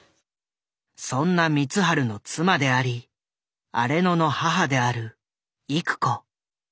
そんな光晴の妻であり荒野の母である郁子。